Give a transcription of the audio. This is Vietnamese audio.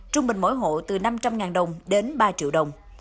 trung bình mỗi hộ từ năm trăm linh đồng đến ba triệu đồng